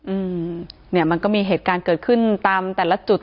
อืมเนี่ยมันก็มีเหตุการณ์เกิดขึ้นตามแต่ละจุด